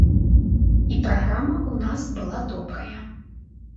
І праграма ў нас была добрая.